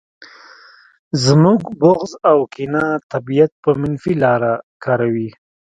زموږ بغض او کینه طبیعت په منفي لاره کاروي